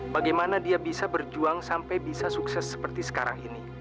bagaimana dia bisa berjuang sampai bisa sukses seperti sekarang ini